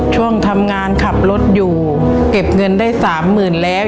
ช่วงทำงานขับรถอยู่เก็บเงินได้๓๐๐๐แล้ว